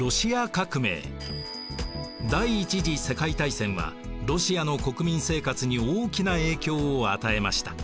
第一次世界大戦はロシアの国民生活に大きな影響を与えました。